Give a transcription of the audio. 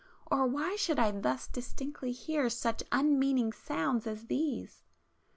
—or why should I thus distinctly hear such unmeaning sounds as these?